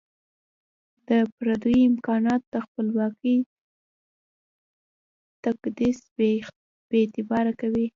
د پردیو امکانات د خپلواکۍ تقدس بي اعتباره کوي.